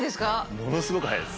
ものすごく早いですね。